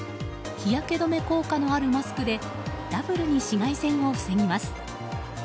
日焼け止め効果のあるマスクでダブルに紫外線を防ぎます。